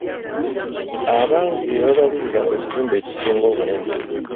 Abangi be babalirira ekitundu ekisinga obunene